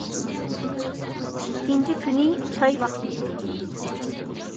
ئىككىنچى كۈنى چاي ۋاقتى ئىدى.